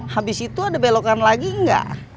habis itu ada belokan lagi nggak